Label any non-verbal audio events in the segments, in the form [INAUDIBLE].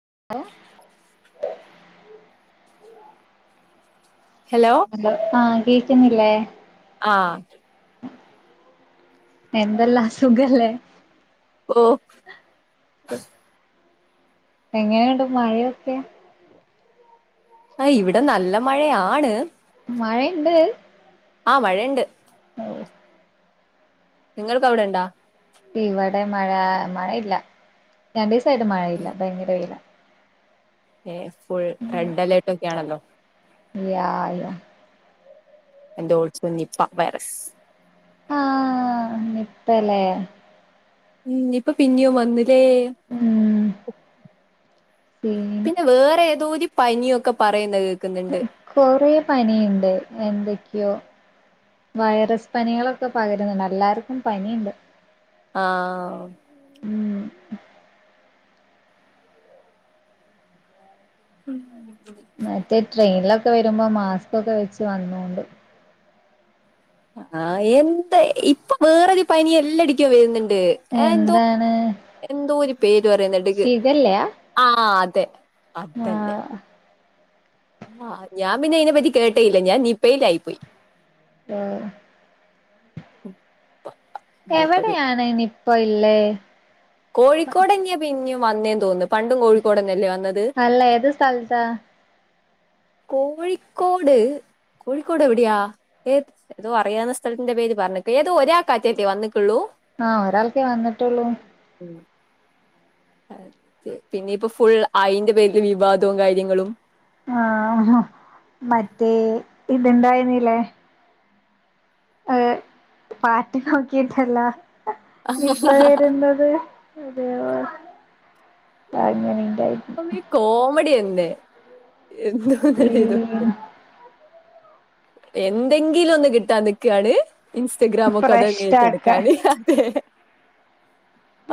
[INAUDIBLE] Hello ലോ ആഹ് കേക്ക്ന്നില്ലേ ആഹ് എന്തല്ലാ സുഖല്ലേ ഓഹ് എങ്ങനെണ്ട് മഴയൊക്കെ ആഹ് ഇവിടെ നല്ല മഴയാണ് മഴ ഇണ്ട് ആഹ് മഴയ്ണ്ട് ഓഹ് നിങ്ങൾക്ക് അവ്ടെ ഇണ്ടാ ഇവടെ മഴാ മഴയില്ല രണ്ടിസായിട്ട് മഴയില്ല ഭയങ്കര വെയിലാ ഏഹ് ഫുൾ റെഡ് അലേർട്ട് ഒക്കെയാണല്ലോ യാ യാ ആൻഡ് ഓൾസോ നിപ്പ വൈറസ് ആഹ് നിപ്പല്ലേ ഹ്മ്മ് ഇപ്പ പിന്നിം ഓൻ വന്ന് ല്ലേ, ഉം സീന് പിന്നെ വേറെ ഏതോര് പനിയൊക്കെ പറയുന്നെ കേൾക്ക്ന്ന്ണ്ട് കൊറേ പനിയ്ണ്ട് എന്തെക്കെയോ വൈറസ് പനികളൊക്കെ പകര്ന്ന്ണ്ട് അല്ലാർക്കും പനിയ്ണ്ട് ആഹ് ഉം ഹ്മ്മ് മറ്റേ ട്രെയ്ലൊക്കെ വരുമ്പോ മാസ്ക്കൊക്കെ വെച്ച് വന്നോണ്ടു ആഹ് എന്ത്‌ ഇപ്പൊ വേറൊരു പനിയെല്ലാടിക്ക വര്ന്ന്ണ്ട് ആഹ് എന്തോ, എന്താണ് എന്തോര് പേര് പറയ് ന്നട്ക് ശിഖല്ലയാ ആഹ് അതെ ആഹ് ആഹ് ഞാൻ പിന്നെ അയിനെപ്പറ്റി കേട്ടേ ഇല്ല ഞാൻ നിപ്പേയ്റ്റായിപ്പോയി ആഹ് നിപ്പ ആഹ് എവടെയാണ് നിപ്പ ഇള്ളേ കോഴിക്കോടെന്നയാ പിന്നിം വന്നേ തോന്ന്ന്നു പണ്ടും കോഴിക്കോടഞ്ഞല്ലേ വന്നത് അല്ല ഏത് സ്ഥലത്താ കോഴിക്കോട്, കോഴിക്കോട് എവിടെയാ ഏ ന്തോ അറിയാവ്ന്ന സ്ഥലത്തിന്റെ പേര് പറഞ്ഞക്കാ ഏതോ ഒരാൾക്കാറ്റല്ലേ വന്നിട്ടൊള്ളൂ ആഹ്, ഒരാൾക്കെ വന്ന്ട്ടൊള്ളൂ. [INAUDIBLE] അതെ, പിന്നെപ്പഫുൾ അയിന്റെ പേരില് വിവാദവും കാര്യങ്ങളും ആഹ്, മറ്റേ ഇത് ഇണ്ടായിന്നില്ലെ ആഹ് പാട്ട് നോക്കീട്ടല്ലാ, ഇപ്പ വര്ന്നത് അതെ ഓഹ് [UNINTELLIGIBLE] അപ്പം, ഈ കോമഡിയന്നെ, എന്നും ഹ്മ്മ് എന്തെങ്കിലൊന്ന് കിട്ടാൻ നിക്കാണ് ഇൻസ്റ്റഗ്രാമൊക്കെ, അതങ്ങ് ഫ്രഷ്ടാക്ക ഏറ്റെടുക്കാന് അതെ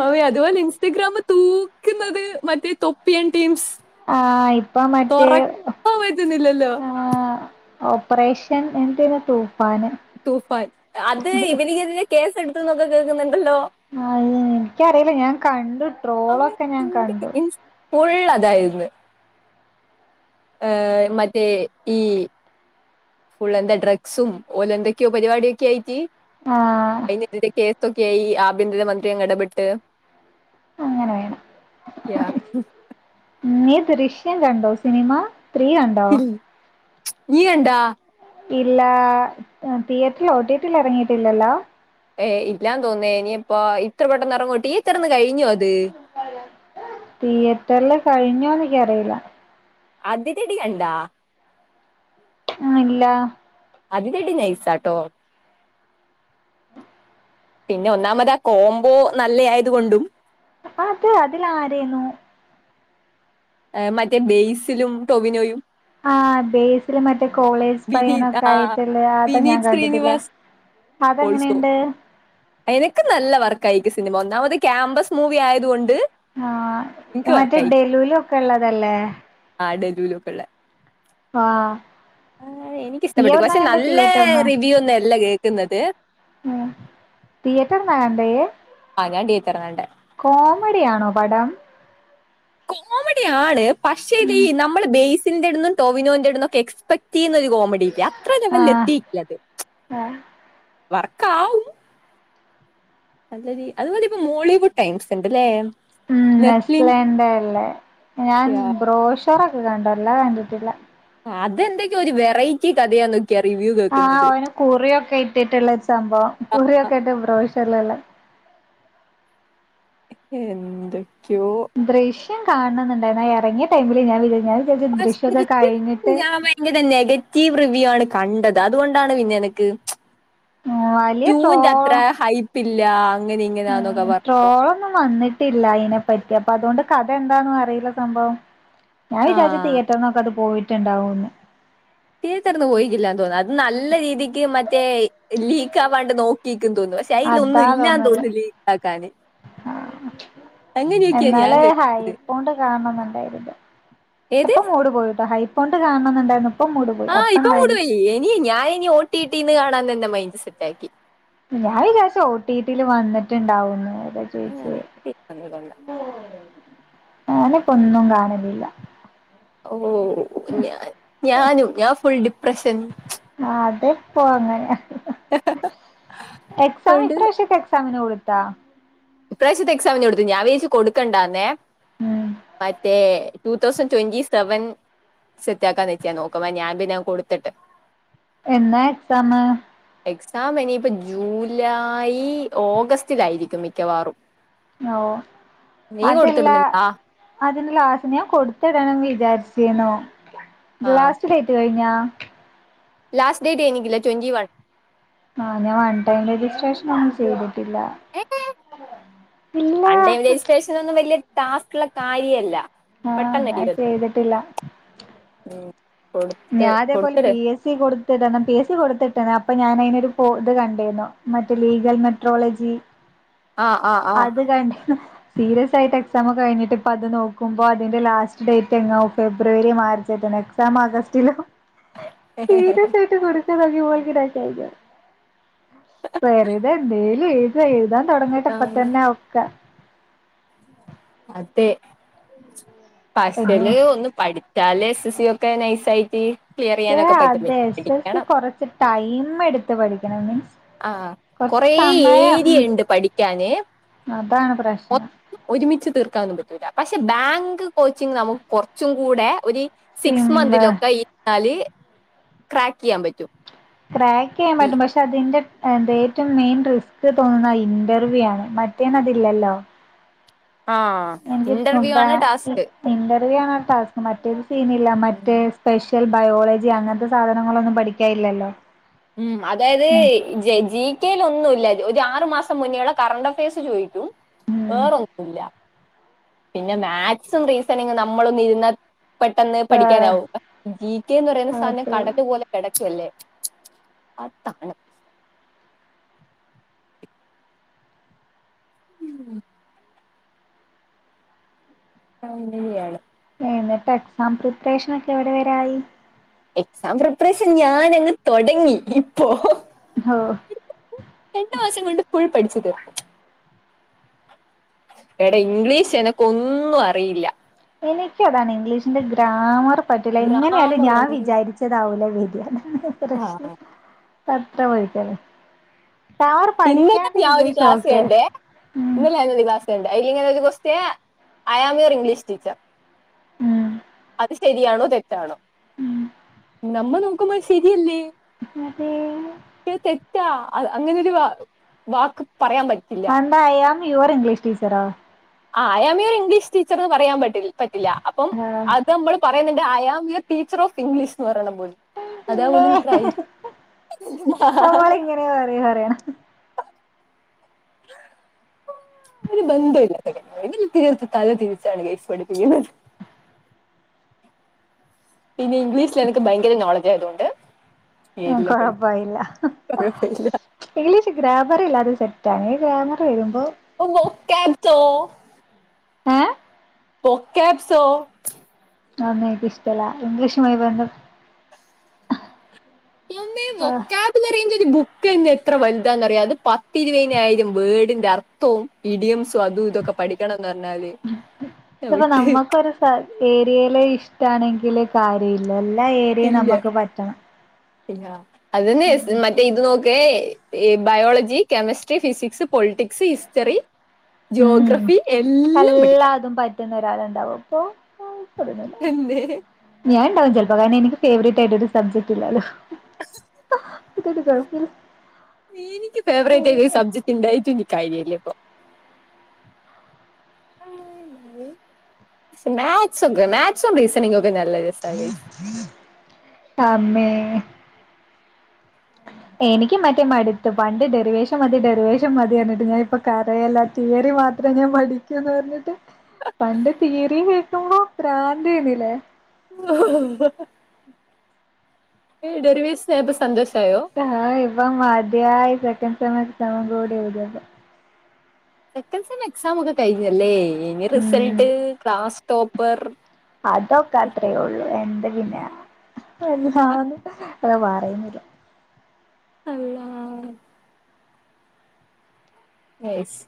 അവെ അതുപോലെ ഇൻസ്റ്റഗ്രാമ് തൂക്ക്ന്നത് മറ്റെ തൊപ്പിയൻ ടീംസ് ആഹ്, ഇപ്പം ആ മറ്റെ തുറക്കാൻ പറ്റുന്നില്ലല്ലോ ആഹ് ഓപ്പറേഷൻ എന്തെന് തൂഫാന് തൂഫാൻ, അത് ഇവനിക്കെതിരെ കേസ് എടുത്ത്ന്നൊക്കെ കേൾക്ക്ന്ന്ണ്ടല്ലോ അത് എനിക്കറില്ല ഞാൻ കണ്ടു ട്രോളൊക്കെ ഞാൻ കണ്ടു. ഫുള്ളതായിര്ന്ന്. ഏഹ് മറ്റേ ഈ ഫുള്ളെന്താ ഡ്രഗ്സും, ഓലെന്തെക്ക്യോ പരിപാടിയൊക്കെ ആയിട്ട് ആഹ്. അയിനെതിരെ കേസൊക്കെയി ആഭ്യന്തര മന്ത്രിയങ്ങ് എടപെട്ട് അങ്ങനെ വേണം, യാ നീ ദൃശ്യം കണ്ടോ സിനിമാ? ത്രീ കണ്ടോ? ഇൽ. നീ കണ്ടാ ഇല്ലാ ഏഹ് തിയേറ്ററിൽ ഒടിട്ടിൽ എറങ്ങിട്ട്ല്ലല്ലോ ഏഹ് ഇല്ലാന്ന് തോന്ന്ന്നേ, ഇനിപ്പ ഇത്ര പെട്ടെന്ന് എറങ്ങോ തീയേറ്ററിന്ന് കഴിഞ്ഞോ അത് തിയേറ്റർല് കഴിഞ്ഞോ എനിക്കറില്ലാ അതിനിടി കണ്ടാ? ആഹ് ഇല്ല. അതിനിടി നൈസാട്ടോ. പിന്നെ ഒന്നാമത് ആ കോംബോ, നല്ലയായത് കൊണ്ടും. അതെ അതിലാരെയ്ന്നു. ഏ മറ്റേ ബെയ്സിലും, ടൊവിനോയും. ആഹ്, ബേസില് മറ്റേ കോളേജ് പയ്യ വിനീത് ആഹ് നൊക്കെയിട്ട്ള്ള അത് ഞാൻ, വിനീത് കണ്ടിട്ടില്ല. ശ്രീനിവാസ് ഓൾസോ അതെങ്ങെനെണ്ട്. എനിക്ക് നല്ല വർക്കായി സിനിമ. ഒന്നാമത് ക്യാമ്പസ് മൂവി ആയത് കൊണ്ട്. ആഹ്, മറ്റേ ഡെലൂലക്കെ ള്ളതല്ലെ. ആഹ് ഡെലൂലുക്കെള്ളെ. ആഹ്. ആഹ് ഇയ്യ് എനിക്കിഷ്ടപ്പെട്ട്ക്. എവിടുന്നാ പക്ഷെ കണ്ടേ നല്ല തിയേറ്ററിന്ന് റിവ്യൂഒന്നെല്ല കേൾക്കുന്നത്. ഉം തിയേറ്റർന്നാ കണ്ടേ യ്യ്. അ തിയേറ്റർന്നാ കണ്ടെ. കോമഡിയാണോ പടം. കോമഡിയാണ് പക്ഷെടീ നമ്മള് ബേസിന്റെട്ന്നും. ടോവിനോന്റെ ഇടുന്നൊക്കെ എക്സ്പെക്ട് ന്നൊരു കോമഡിയില്ലാ അത്ര ലെവലിലെ ആഹ് ത്തീട്ടില്ലത്. വർക്കാവും. നല്ല രീ അതുമതിപ്പൊ മോളിവുഡ് ടൈംസ് ണ്ട്ല്ലേ. ഉം. നെസ്ലേന്റെ അല്ലെ. ഞാൻ ബ്രോഷറെക്കെ കണ്ടു എല്ലാ കണ്ടിട്ടില്ല. അതെന്തൊക്കെയോ, ഒരു വെറൈറ്റി കഥയാന്ന്. കൃറിവ്യൂഹ് ആഹ്. അവന് കുറിയൊക്കെ ഇട്ടിട്ടുള്ളെരു സംഭവം. കുറിയൊക്കെട്ട്, ബ്രോഷറിലുള്ള. എന്തൊക്കെയോ. ദൃശ്യം കാണണംന്ന്ണ്ടായ്നു അഎർങ്യയ ടൈമില് ഞാൻ വിജാര് ഞാൻ വിചാരിച്ചു ദൃശ്യയോക്കെ കഴിഞ്ഞിട്ട്. ഇന്ന്താനെഗറ്റീവ് റിവ്യൂ ആണ് കണ്ടത് അതുകൊണ്ടാണ് പിന്നെ എനക്ക്. ആഹ് വലിയ റ്റുന്റെത്ര ഹൈപ്പില്ല. അങ്ങനെ ഇങ്ങനെന്നൊക്കെ ആഹ് പറഞ്ഞു ട്രോളൊന്നും വന്ന്ട്ടില്ല അയിനെപ്പറ്റി അപ്പൊ അതൊണ്ട് കഥ എന്താണോ അറീല സംഭവം. ഞാൻ ആ വിചാരിച്ചു തിയേറ്റർന്നൊക്കത് പോയ്ട്ട്ണ്ടാവുന്ന്. ടീച്ചർന്ന് പോയ്ക്കില്ലന്ന് തോന്നു അത് ന്നല്ല രീതിക്ക് മറ്റേ ലീക്ക് ആവാണ്ട് ന്നോക്കിക്ക്ന്ന് തോന്നു പഷ് സ്റ്റൈലോന്നു അതാ ഇല്ലാന്ന് തോന്ന് ലിക്കാക്കാന്. ഞാൻ ഇന്നലെ കേട്ടത് ഹൈപ്പോണ്ട് കാണംന്ന്ണ്ടായ്ര്ന്നു. ശെ ഏത് ഇപ്പം മൂഡ് പോയിട്ടോ ഹൈപ്പോണ്ട് കാണണംന്ന്ണ്ടായ്ന്നു. ആഹ് ഇപ്പം മൂഡ് പോയി എനി ഞാന് ഇനി ഓട്ടിട്ടീന്ന് കാണാന്ന് എന്റെ മൈൻഡ് സെറ്റാക്കി. ഞാൻ വിജാരിച് ഓ ടി ടിൽ വന്ന്ട്ട്ണ്ടാവുന്ന് അതാ ഞാൻ ചോയിച്ചേ. ഒ ടി ടി വന്നത് കൊള്ളാം. ഞാന് പ്പൊന്നും കാണലില്ല. ഓഹ് ഞാൻ ഞാനും ഞാൻ ഫുൾ ഡിപ്രഷൻ. ആഹ് അത്പ്പോ അങ്ങനെ എക്സാം അതുകൊണ്ട് ഇപ്രവ്ശ്യക്കെ എക്സാമിന് കൊട്‌ ത്താ ഇപ്രാവശ്യത്തെ എക്സാമിന് കൊട്ത്ത് ഞാൻ വിച്ചരിച് കൊട്ക്കണ്ടാന്നേ ഉം മറ്റേ. റ്റുതൗസൻ ട്വന്റി സെവൻ സെറ്റ് ആക്കാന്ന് വെച്ച്ഞാൻ ന്നോക്കും ഞാൻ പിന്നെ കൊട്ത്ത്ട്ട്. എന്നാ എക്സാമ്? എക്സാം എനിയിപ്പോ ജൂലായി ഓഗസ്റ്റിലായിര്ക്കും മിക്കവാറും. ഓഹ് നീ അതെല്ലാ. കൊടുത്തിടുന്നുണ്ടാ അതിന് ലാസ്റ്റ് ഞാൻ കൊട്ത്ടണംന്ന് വിചാരിച്ചിന്നു. ആ ലാസ്റ്റ് ഡെയ്‌ ട്ട് കഴിഞ്ഞാ ലാസ്റ്റ് ഡേറ്റ് കയ്ഞ്ഞ്ക്ക്ല്ല റ്റോന്റി വൺ. ആഹ്, ഞാൻ വൺ ടൈം രജിസ്ട്രേഷൻ ഒന്നും ചെയ്തിട്ടില്ല. ഇല്ല [INAUDIBLE] അൺഡേ രജിസ്ട്രേഷനൊന്നും വല്ല്യടാസ്ക്ള്ള കാര്യേഅല്ല. ആഹ് ഞാൻ പെട്ടെന്നയ്യൂഅത്. ചെയ്തിട്ടില്ല ഉം കൊടുത്ത് ഞാ അതേപോലെ കൊടുത്തിട് പി എസ് സി കൊട്ത്ത്ടണം പി എസ് സി കൊട്ത്ത്ട്ട്ണ്. അപ്പൊ ഞാനയ്നൊരു കോ ഇത് കണ്ടീന്നു. മറ്റെ ലീഗൽ മെട്രോളജി ആ ആ ആ അത് കണ്ട്ണ്. സീര്യസായിട്ട് എക്സാമൊക്കെ കഴിഞ്ഞിട്ട് ഇപ്പൊ അത് ന്നോക്കുമ്പോ അതിൻ്റെ ലാസ്റ്റ് ഡേറ്റ് എങ്ങോ ഫെബ്രുവരി, മാർച്ച് അയ്ട്ടാണ് എക് ക്സാമാഗസ്റ്റ്ലും സീരിയസായ്ട്ട് കൊട് ച്ച് വയ്യോ എനിക്ക് ടെൻഷനടിക്കാൻ വെറ്തെ എന്തെലും എഴ്താ എഴ്താൻ തൊടങ്ങട്ടെ പ്പതന്നെ അതൊക്കെ. അതെ, അയ്യോ പസല് ഒന്ന് പഠി ച്ചാലെ എസ് സി വൊക്കെ നൈസായ്റ്റ് പക്ഷെ അതെ എസ് സി കൊറച്ച് ടൈം എട്ത്ത് പഠിക്കണം മീൻസ്. ആഹ്, കൊറച്ച് കൊറേ സമയം ഉം ഏരിയണ്ട് പഠിയ്ക്കാന് അതാണ് പ്രശ്നം ഒത് ഒര്മിച്ച് തീർക്കാ ഒന്നും പറ്റൂല. പക്ഷെ ബാങ്ക് കോച്ചിങ്ങ് നമുക്ക് കൊർച്ചുംകൂടെ ഒര് സിക്സ് സിമ്പിൾ മന്ത്‌ലൊക്കെ [UNINTELLIGIBLE] ക്രാക്കെയ്യാൻ പറ്റും. ക്രാക്കെയ്യാൻ ഈ പറ്റും. പക്ഷെ അതിന്റെ എന്റെ ഏറ്റോം മെയിൻ റിസ്ക് തോന്ന്ന്ന അഇന്റർവ്യൂ ആണ് മറ്റേനതില്ലല്ലോ. ആഹ്. എനിയ്ക്ക് ഇന്റർവ്യൂ പ്പന്താ ആണ് ഇ ടാസ്ക് ഇന്റർവ്യൂ ആണ് അടാസ്ക് മറ്റേത് സീനില്ല മറ്റെ സ്പെഷൽ ബയോളജി അങ്ങൻത്തെ സാധനങ്ങളൊന്നും പഠിക്കായില്ലല്ലോ. ഉം, അതായത് ജെ ജി കെ ല് ഒന്നുല്ല. ഒരാറ് മാസം മുന്നേള്ള കറണ്ട് അഫേഴ്സ് ചോയ്ക്കും. ഉം വേറൊന്നുല്ല, പിന്നെ മാക്സും റീസണിങ്ങും ന്നമ്മളൊന്ന് ഇര്ന്നാൽ പെട്ടെന്ന് ആഹ് പഠിക്കാനാവും. ജി കെന്ന് പറയ്ന്ന സാനം അതെ. കടക് പോലെ കെടക്കുവല്ലേ അതാണ്. ഉം. ങ്ങുകെയാണ്. എന്നിട്ട് എക്സാം പ്രിപ്പേഷനൊക്കെ എവിടെ വെരായി. എക്സാം പ്രിപ്പറേഷൻ ഞാനങ്ങ് തൊടങ്ങി ഇപ്പൊ ഹോഹ് രണ്ട് മാസം കൊണ്ട് ഫുൾപഠിച്ചു തീർക്കും എടെ ഇംഗ്ലീഷ് എനക്ക് ഒന്നും അറിയില്ല. എനക്ക് അതാണ് ഇംഗ്ലീഷിന്റെ ഗ്രാമർ പറ്റൂല എങ്ങനെയാലും ഗ്രാമർ ഞാൻ ഒന്നും വിചാരിച്ചതാവൂല വെരാ. [UNINTELLIGIBLE] ആ പ്രശ്നം തത്ത വഴിക്കല് ഇന്നൽതെ ഞാൻ ഒരു ഇംഗ്ലീഷ് ക്ലാസ് ഓക്കെ. കണ്ടേ ഉം ഇന്നലെ ഞാനൊരു ക്ലാസ് കണ്ട്, അങ്ങനെ ഒരു കൊസ്‌റ്റ്യ I am A [UNINTELLIGIBLE] English teacher ഉം അത് ശരിയാണോ, തെറ്റാണോ? ഉം നമ്മൾ നോക്കുമ്പോ [UNINTELLIGIBLE] ശരി അല്ലേ. അതേ. പക്ഷേത് തെറ്റാ അ അങ്ങനൊരു വാക്ക് പറയാൻ പറ്റില്ല. അയാം യുവർ ഇംഗ്ലീഷ് ടീച്ചറാ ആഹ് അയാമേ ഒര് ഇംഗ്ലീഷ് ടീച്ചെറ്ന്ന് പറയാം പറ്റ്ൽ പറ്റില്ലാ അപ്പം ആഹ് അത് നമ്മെള് പറയണെങ്കെ അയാമ് യുവർ ടീച്ചർ ഓഫ് ഇംഗ്ലീഷ്ന്ന് പറയണം പോലും അതാ പിന്നെ പോലും ക്രൈ ഓഹ് അറിയാം അറിയാം ആഹ് ഒരു ബന്ധം ഇല്ലാത്ത കളി [UNINTELLIGIBLE] തല തിരിച്ചാണ് ഗയ്സ് പഠിപ്പിക്ക്യ്ന്നെത് പിന്നെ ഇംഗ്ലീസ്‌ല് എനെക്ക് ഭയങ്കെരെ നോളജായത്കൊണ്ട് ഉം ഏതിലും പഠി കൊഴപ്പയില്ല [UNINTELLIGIBLE] ഇംഗ്ലീഷ് ഗ്രാമെറില്ലാതെ സെറ്റാണ് ഈ ഗ്രാമെറെഴ്ത്‌മ്പോ അള്ളോക്ക്യാബ്ത്തോ ഏഹ് പാേക്ക്യാബ്സോ അതൊന്നും എൻക്ക് ഇഷ്ടെല്ലാ ഇംഗ്ലീഷുമായി ബന്ത എമ്മേ വൊക്കാബ്‌ലറീൻ്റൊരു ബുക്കെന്നെ എത്ര വൽതാന്നറ്യാേ അത് പത്തിര്പയ്നായിരം വേഡ്ന്റെ അർ ത്തോം ഇഡിയുംസും അതും ഇതൊക്കെ പഠിക്കണംന്ന് പർഞ്ഞാല് ത്പ്പ നമ്മക്കൊരു സ ഏരിയേല് ഇഷ്ടാണെങ്കില് സാര ഇല്ല എല്ലാ ഏരിയേം നമ്മക്ക് പറ്റണം ഇലാ അതെന്നെ സ് മറ്റെ ഇത് നോക്കേ ഈ biology chemistry physics politics history geography എല്ലം പഠിക്കാ ട്ട്ന്നാെരാള്ണ്ടാവാെപ്പോ [UNINTELLIGIBLE] എന്തേ ഞാൻണ്ടാവും ചെൽപ്പോ കാര്ണം എനിക്ക് ഫേവെറേയ്റ്റായിട്ടാെര് സബ്ജെക്ട്ല്ലല്ലോ [UNINTELLIGIBLE] ഏനിക്ക്യ് ഫേവെറേയ്റ്റായെ സബ്ജെക്റ്റ് ണ്ടായിട്ടും ഞ്ഞി കാര്യല്ല്യെപ്പൊ പക്ഷെ മാക്‌സും മാക്സും റീസണിങ്ങൊക്കെ നല്ല അമ്മേ എനിക്ക്യും മറ്റേ മട്ത്ത് പണ്ട് ഡെറിവേഷം മതി ഡെറിവേഷം മതി എന്നിട്ട് ഞാൻ ഇപ്പം കരയെലാ തിയെറി മാത്രേ ഞാൻ പഠിക്ക്യൂന്ന് പർഞ്ഞ്ട്ട് പണ്ട് തിയെറിയും കേക്കുമ്പാെ പ്രാന്തേനിലേ രസമാണ് ഏഹ് ഡെറിവേസ്യായപ്പ സന്തോഷായോ ആഹ് ഇപ്പം മത്യായി സെക്കെൻ സെമ്മ് ഇട്ത്ത് അതും കൂടി എഴ്ത്യേപ്പം സെക്കെൻ സെം എക്സാമൊക്കെ കയ്ഞ്ഞല്ലേ ഇനി ഉം റിസെൾട്ട് ക്ലാസ് ടോപ്പർ അതൊക്കെ അത്രേ ഒള്ളു എന്ത് പിന്നെ എന്താന്ന് ഞാൻ പറയുന്നില്ല അള്ളാഹ് ഏസ്